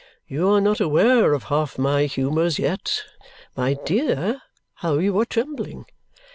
You are not aware of half my humours yet. My dear, how you are trembling!"